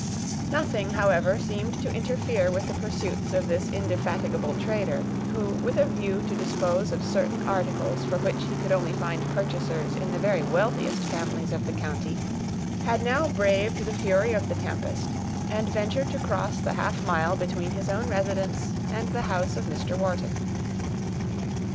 Nothing, however, seemed to interfere with the pursuits of this indefatigable trader, who, with a view to dispose of certain articles for which he could only find purchasers in the very wealthiest families of the county, had now braved the fury of the tempest, and ventured to cross the half mile between his own residence and the house of Mr. Wharton.